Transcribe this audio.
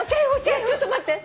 ちょっと待って。